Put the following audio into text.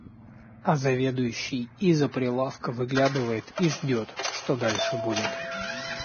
А заведующий из-за прилавка выглядывает и ждёт, что дальше будет.